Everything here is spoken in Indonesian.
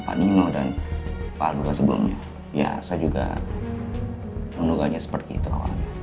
pak nino dan pak alga sebelumnya ya saya juga menunggannya seperti itu